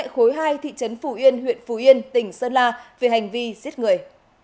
khối hai thị trấn phù yên huyện phù yên tỉnh sơn la về hành vi giết người